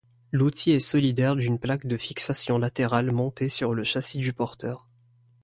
L’outil est solidaire d’une plaque de fixation latérale montée sur le châssis du porteur.